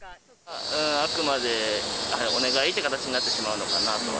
あくまでお願いっていう形になってしまうのかなとは。